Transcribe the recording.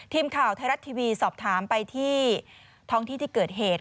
ทีมข่าวไทยรัฐทีวีสอบถามไปที่ท้องที่ที่เกิดเหตุ